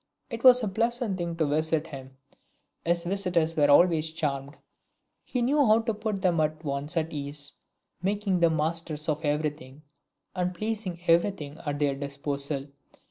It was a pleasant thing to visit him; his visitors were always charmed; he knew how to put them at once at ease, making them masters of every thing, and placing every thing at their disposal.